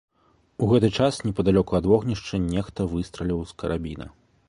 У гэты час непадалёку ад вогнішча нехта выстраліў з карабіна.